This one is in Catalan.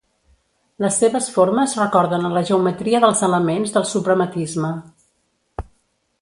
Les seves formes recorden a la geometria dels elements del suprematisme.